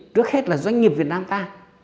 trước hết là doanh nghiệp việt nam ta